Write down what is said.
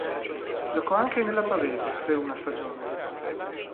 Giocò anche nella Pavese, per una stagione.